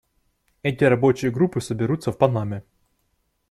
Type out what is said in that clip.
Эти рабочие группы соберутся в Панаме.